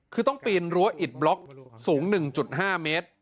คือต้องปีนรั้วอิดบล็อกสูง๑๕เมตร